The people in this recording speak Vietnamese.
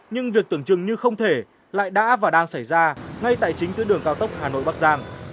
nhưng việc tưởng chừng như không thể lại đã và đang xảy ra ngay tại chính tuyến đường cao tốc hà nội bắc giang